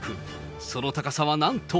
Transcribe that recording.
その高さはなんと。